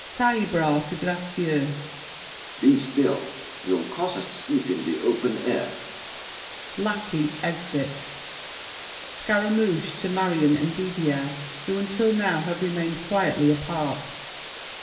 TAILLEBRAS (to Gracieux). Be still! You'll cause us to sleep in the open air! [Lackey exits. SCARAMOUCHE (to Marion and Didier, who until now have remained quietly apart).